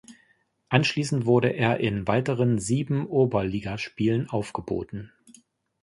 Anschließend wurde er in weiteren sieben Oberligaspielen aufgeboten.